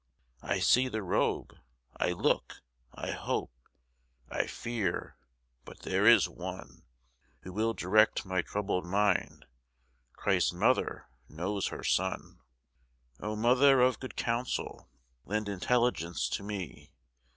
I see the Robe I look I hope I fear but there is one Who will direct my troubled mind; Christ's Mother knows her Son. O Mother of Good Counsel, lend Intelligence to me!